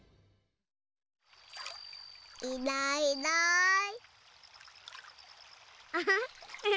いないいない。